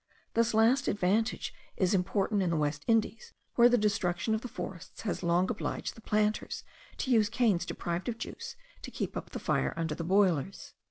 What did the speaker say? This last advantage is important in the West Indies, where the destruction of the forests has long obliged the planters to use canes deprived of juice, to keep up the fire under the boilers.